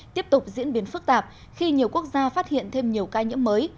tiếp tục diễn biến phức tạp khi nhiều quốc gia phát hiện thêm nhiều ca nhiễm mới